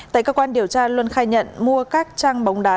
tại cơ quan điều tra luân khai nhận mua các trang bóng đá